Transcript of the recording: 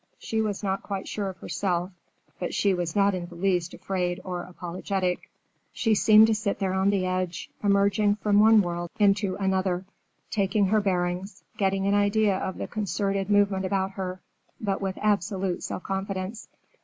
She was not quite sure of herself, but she was not in the least afraid or apologetic. She seemed to sit there on the edge, emerging from one world into another, taking her bearings, getting an idea of the concerted movement about her, but with absolute self confidence.